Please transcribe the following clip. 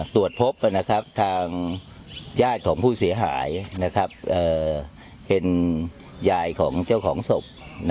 ตรวจพบทางญาติของผู้เสียหายเป็นยายของเจ้าของศพ